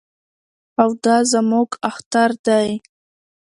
او دا زموږ اختر دی.